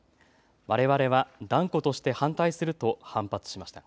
われわれは断固として反対すると反発しました。